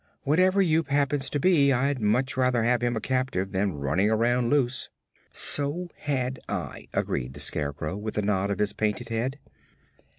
Whatever Yoop happens to be, I'd much rather have him a captive than running around loose." "So had I," agreed the Scarecrow, with a nod of his painted head.